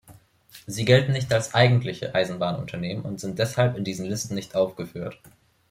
Sie gelten nicht als eigentliche Eisenbahnunternehmen und sind deshalb in diesen Listen nicht aufgeführt.